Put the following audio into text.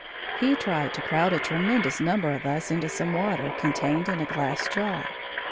He tried to crowd a tremendous number of us into some water contained in a glass jar.